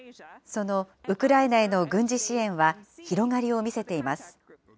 そのウクライナへの軍事支援は広がりを見せています。